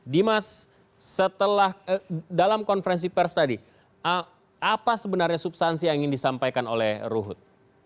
dimas setelah dalam konferensi pers tadi apa sebenarnya substansi yang ingin disampaikan oleh ruhut